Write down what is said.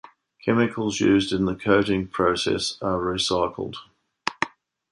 Chemicals used in the coating process are recycled.